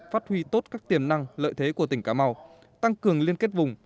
phát huy tốt các tiềm năng lợi thế của tỉnh cà mau tăng cường liên kết vùng